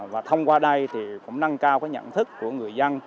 và thông qua đây thì cũng nâng cao cái nhận thức của người dân